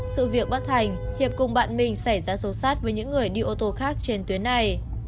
sự việc bất thành hiệp cùng bạn mình xảy ra sâu sát với những người đi ô tô khác trên tuyến này